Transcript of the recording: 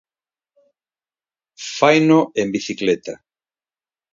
Faino en bicicleta.